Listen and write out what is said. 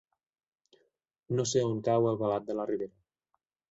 No sé on cau Albalat de la Ribera.